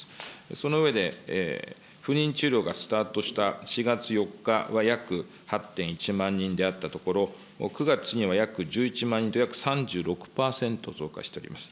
その上で、不妊治療がスタートした４月４日は約８．１万人であったところ、９月には約１１万人と約３６％増加しております。